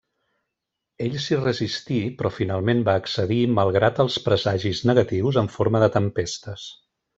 Ell s'hi resistí però finalment va accedir malgrat els presagis negatius en forma de tempestes.